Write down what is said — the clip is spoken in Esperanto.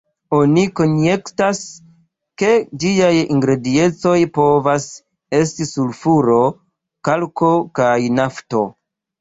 Oni konjektas, ke ĝiaj ingrediencoj povas esti sulfuro, kalko kaj nafto.